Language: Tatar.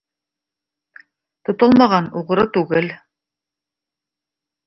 Тотылмаган - угры түгел.